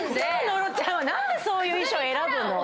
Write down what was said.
野呂ちゃんは何でそういう衣装を選ぶの⁉狙いや！